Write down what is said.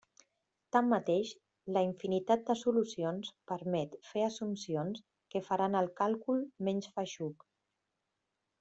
Tanmateix la infinitat de solucions permet fer assumpcions que faran el càlcul menys feixuc.